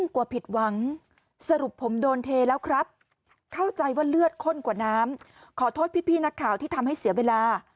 เข้าใจว่าเลือดข้นกว่าน้ำขอโทษพี่นักข่าวที่ทำให้เสียเวลา